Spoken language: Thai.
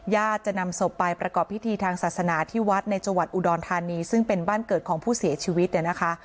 จะนำศพไปประกอบพิธีทางศาสนาที่วัดในจังหวัดอุดรธานีซึ่งเป็นบ้านเกิดของผู้เสียชีวิตเนี่ยนะคะ